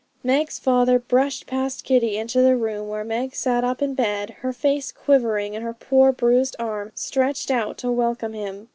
Meg's father brushed past Kitty into the room where Meg sat up in bed, her face quivering, and her poor bruised arms stretched out to welcome him.